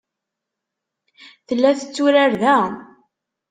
Tella tetturar da.